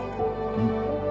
うん。